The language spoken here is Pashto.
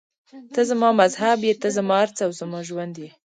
ته زما مذهب یې، ته زما هر څه او زما ژوند یې.